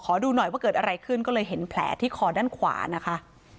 ดูหน่อยว่าเกิดอะไรขึ้นก็เลยเห็นแผลที่คอด้านขวานะคะ